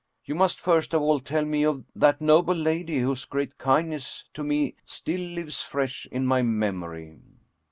You must first of all tell me of that noble lady, whose great kindness to me still lives fresh in my memory."